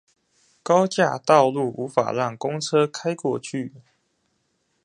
高架道路無法讓公車開過去